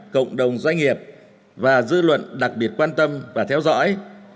cộng đồng doanh nghiệp và dư luận đặc biệt quan tâm và theo dõi